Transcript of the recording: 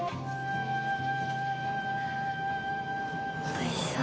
おいしそう。